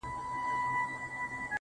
اوس مي د زړه قلم ليكل نه كوي.